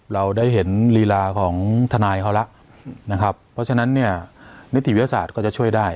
เราได้เห็นลีลาของทนายเขาแล้วนะครับเพราะฉะนั้นเนี่ยนิติวิทยาศาสตร์ก็จะช่วยได้